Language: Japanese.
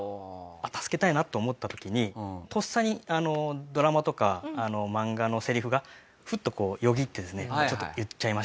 助けたいなと思った時にとっさにドラマとか漫画のセリフがフッとこうよぎってですねちょっと言っちゃいましたね。